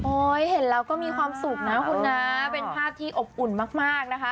เห็นแล้วก็มีความสุขนะคุณนะเป็นภาพที่อบอุ่นมากนะคะ